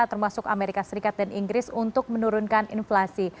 termasuk amerika serikat dan inggris untuk menurunkan inflasi